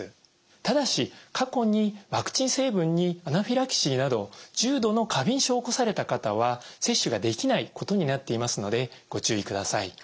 ただし過去にワクチン成分にアナフィラキシーなど重度の過敏症を起こされた方は接種ができないことになっていますのでご注意ください。